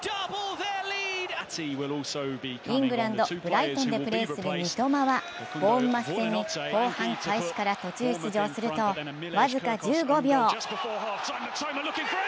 イングランド・ブライトンでプレーする三笘は、ボーンマス戦に後半開始から途中出場すると僅か１５秒。